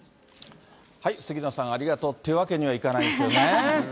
杉野さん、ありがとうってわけにはいかないんですよね。